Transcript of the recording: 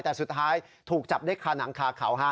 แต่สุดท้ายถูกจับได้คาหนังคาเขาฮะ